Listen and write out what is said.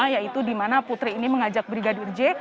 yaitu dimana putri ini mengajak brigadir j